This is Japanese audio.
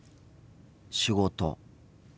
仕事。